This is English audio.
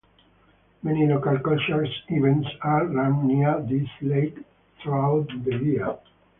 Many local cultural events are run near this lake throughout the year.